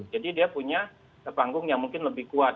jadi dia punya panggung yang mungkin lebih kuat